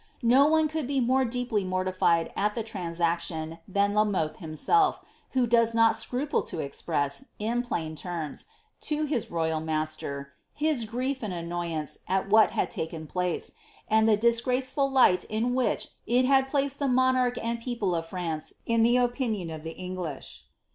No one could be more deeply mortified at the transaction than La Mothe himself, who does not scruple to express, in plain terms, to his royal master his grief ind annoyance at what had taken place, and the disgraceful light in vhirh it had placed the monarch and people of France in the opinion of the English.